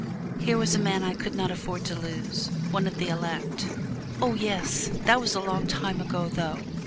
Here was a man I could not afford to lose one of the elect! "Oh, yes; that was a long time ago, though.